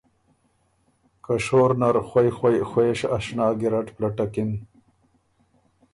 که شور نر خوئ خوئ خوېش اشنا ګیرډ پلټکِن